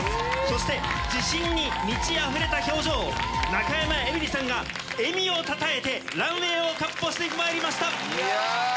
そして自信に満ちあふれた表情を中山エミリさんが笑みをたたえてランウエーをかっ歩してまいりました。